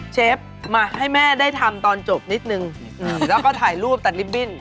เชฟมาให้แม่ได้ทำตอนจบนิดนึงแล้วก็ถ่ายรูปตัดลิฟตบิ้น